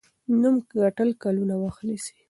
نوم ګټل کلونه وخت نیسي.